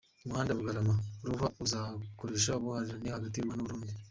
Umuhanda Bugarama-Ruhwa uzafasha ubuhahirane hagati y’u Rwanda n’u Burundi